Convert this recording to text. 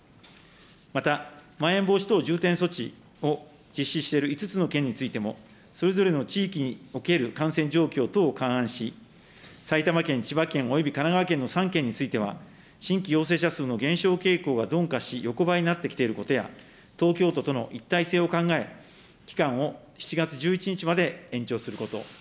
また、まん延防止等重点措置を実施している５つの県についても、それぞれの地域における感染状況等を勘案し、埼玉県、千葉県および神奈川県の３県については、新規陽性者数の減少傾向が鈍化し、横ばいになってきていることや、東京都との一体性を考え、期間を７月１１日まで延長すること。